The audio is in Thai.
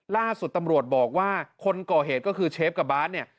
ล่าสุดตำรวจบอกว่าคนก่อเหตุก็คือเชฟกับบาสเนี่ย